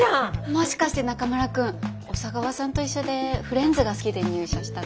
もしかして中村くん小佐川さんと一緒でフレンズが好きで入社したの？